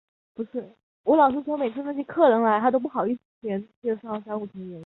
一位穷苦的老裁缝必须在圣诞夜前为市长赶制礼服。